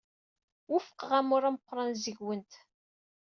Wufqeɣ amur ameqran seg-went.